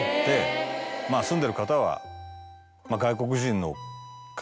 まぁ住んでる方は。